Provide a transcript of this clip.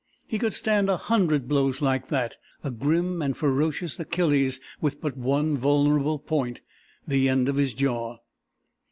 He could stand a hundred blows like that a grim and ferocious Achilles with but one vulnerable point, the end of his jaw.